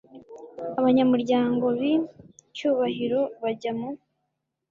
Abanyamuryango b icyubahiro bajya mu